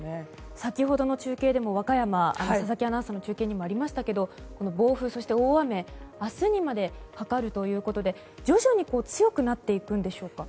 先ほどの和歌山の佐々木アナウンサーの中継にもありましたが暴風そして大雨明日にまでかかるということで徐々に強くなっていくんでしょうか。